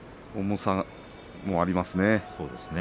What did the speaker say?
重さもありますね。